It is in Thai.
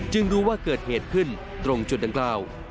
รู้ว่าเกิดเหตุขึ้นตรงจุดดังกล่าว